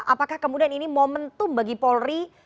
apakah kemudian ini momentum bagi polri